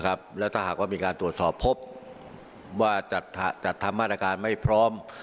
แล้วถ้าหากว่ามีการตรวจสอบพบว่าจัดทำมาตรการไม่พร้อม